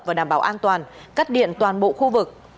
và đảm bảo an toàn cắt điện toàn bộ khu vực